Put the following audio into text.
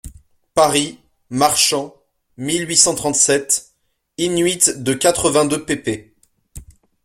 Paris, Marchant, mille huit cent trente-sept, in-huit de quatre-vingt-deux pp.